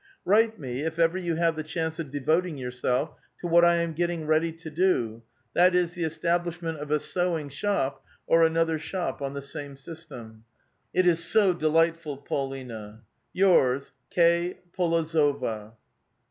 Write me, if ever 3*ou have the chance of devoting yourself to what I am getting ready to do ; that is, the establishment of a sewing shop, or another shop on the same system. It is so delightful, Paulina ! Yours, K. PoLOZOVA.